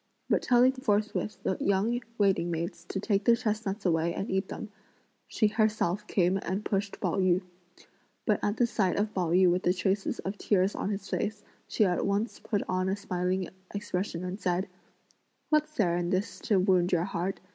But telling forthwith the young waiting maids to take the chestnuts away and eat them, she herself came and pushed Pao yü; but at the sight of Pao yü with the traces of tears on his face, she at once put on a smiling expression and said: "What's there in this to wound your heart?